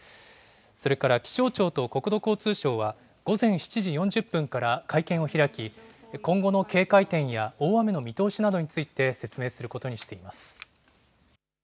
それから気象庁と国土交通省は、午前７時４０分から会見を開き、今後の警戒点や大雨の見通しなどについて説明することにしています。